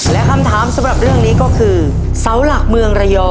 และคำถามสำหรับเรื่องนี้ก็คือ